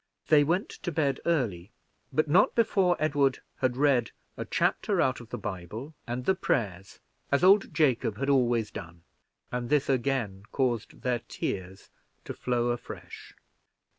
They went to bed early, but not before Edward had read a chapter out of the Bible, and the prayers, as old Jacob had always done; and this again caused their tears to flow afresh.